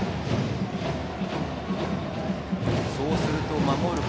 そうすると守る